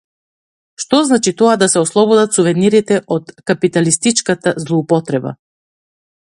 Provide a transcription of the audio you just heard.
Што значи тоа да се ослободат сувенирите од капиталистичката злоупотреба?